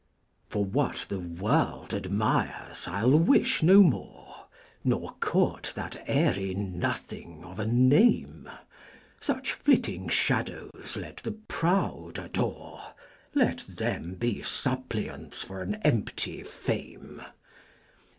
FO R. what the World admires Til wifti no mor^. Nor court that ^ry nothing of a Name : Such flitting Shadows let the Proud adore. Let them be Spppliant§ for an empty Fame.